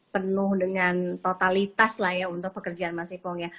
penuh dengan totalitas lah ya untuk pekerjaan mas ipong ya